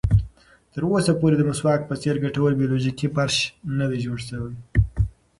تر اوسه پورې د مسواک په څېر ګټوره بیولوژیکي فرش نه ده جوړه شوې.